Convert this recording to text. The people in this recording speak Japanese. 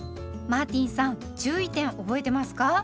マーティンさん注意点覚えてますか？